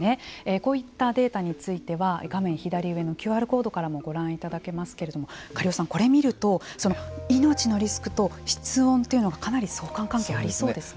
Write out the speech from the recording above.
こういったデータについては画面左上のＱＲコードからもご覧いただけますけれども苅尾さん、これを見ると命のリスクと室温というのかなり相関関係がありそうですね。